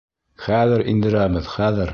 Хәҙер индерәбеҙ, хәҙер!